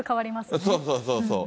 そうそうそうそう。